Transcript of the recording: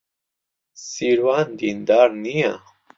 سیروان دیندار نییە.